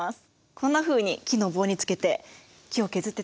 こんなふうに木の棒につけて木を削ってたんだね。